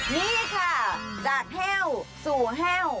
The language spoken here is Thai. นี่ค่ะจากแห้วสู่แห้ว